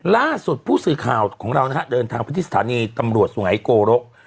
ล่าสุดผู้สื่อข่าวของเรานะครับเดินทางพฤษฐานีตำรวจสุหายโกรก